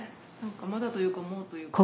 まだというかもうというか。